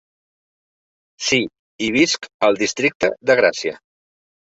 Sí, i visc al districte de Gràcia.